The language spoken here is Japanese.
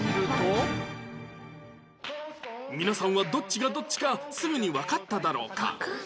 皆さんはどっちがどっちかすぐにわかっただろうか？